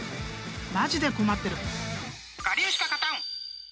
［マジで困ってる］